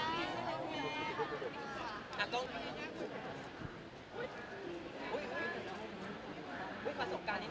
พี่ขอขอรู้ไป